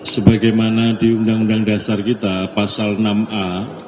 sebagaimana di undang undang dasar kita pasal enam a